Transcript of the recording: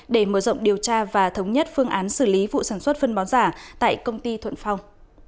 để mở rộng điều tra và thống nhất phương án xử lý vụ sản xuất phân bón giả tại công ty thuận phong